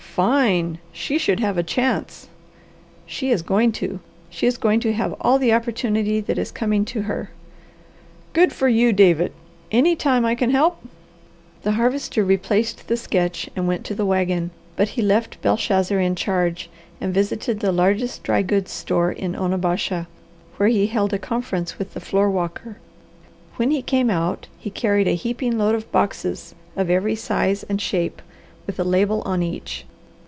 "Fine! She should have a chance." "She is going to. She is going to have all the opportunity that is coming to her." "Good for you, David! Any time I can help!" The Harvester replaced the sketch and went to the wagon; but he left Belshazzar in charge, and visited the largest dry goods store in Onabasha, where he held a conference with the floor walker. When he came out he carried a heaping load of boxes of every size and shape, with a label on each.